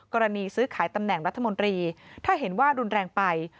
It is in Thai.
กรณีซื้อขายตำแหน่งรัฐมนตรีถ้าเห็นว่ารุนแรงไป